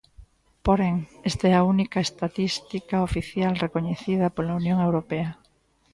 Porén, esta é a única estatística oficial recoñecida pola Unión Europea.